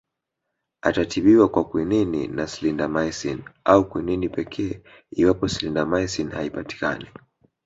Atatibiwa kwa Kwinini na Clindamycin au Kwinini pekee iwapo Clindamycin haipatikani